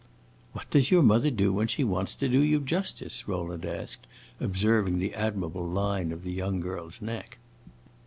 "What does your mother do when she wants to do you justice?" Rowland asked, observing the admirable line of the young girl's neck.